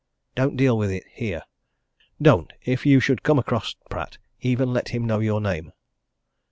Don't deal with it here. Don't if you should come across Pratt, even let him know your name!"